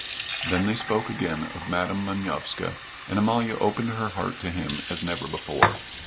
Then they spoke again of Madam Manovska, and Amalia opened her heart to him as never before.